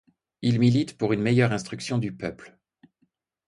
Il milite pour une meilleure instruction du peuple.